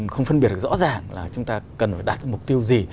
không phân biệt rõ ràng là chúng ta cần phải đạt mục tiêu gì